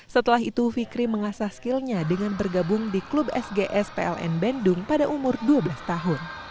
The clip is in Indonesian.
setelah itu fikri mengasah skillnya dengan bergabung di klub sgs pln bandung pada umur dua belas tahun